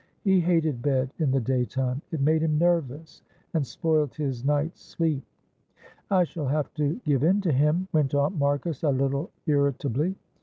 He hated bed in the daytime it made him nervous, and spoilt his night's sleep. "I shall have to give in to him," went on Marcus, a little irritably.